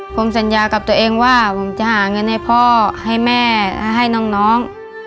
ผมสัญญากับตัวเองว่าผมจะหาเงินให้พ่อให้แม่ให้น้อง